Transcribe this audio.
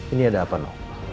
ini ada apa no